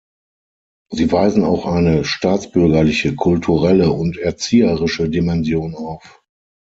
Sie weisen auch eine staatsbürgerliche, kulturelle und erzieherische Dimension auf.